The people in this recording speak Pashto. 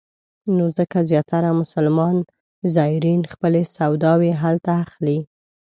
نو ځکه زیاتره مسلمان زایرین خپلې سوداوې هلته اخلي.